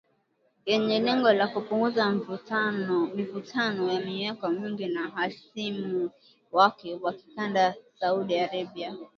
yenye lengo la kupunguza mivutano ya miaka mingi na hasimu wake wa kikanda Saudi Arabia